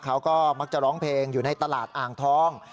เขาก็มักจะร้องเพลงอยู่ในตลาดอ่างทอง